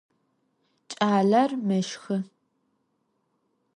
Ç'aler meşxı.